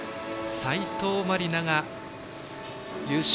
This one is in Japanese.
斉藤真理菜が優勝。